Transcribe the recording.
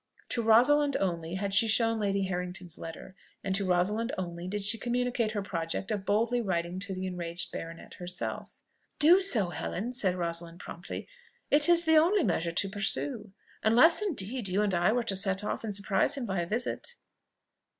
To Rosalind only had she shown Lady Harrington's letter, and to Rosalind only did she communicate her project of boldly writing to the enraged baronet himself. "Do so, Helen," said Rosalind promptly: "it is the only measure to pursue unless indeed you and I were to set off and surprise him by a visit."